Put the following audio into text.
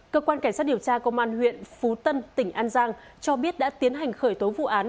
cơ quan cảnh sát điều tra công an huyện phú tân tỉnh an giang cho biết đã tiến hành khởi tố vụ án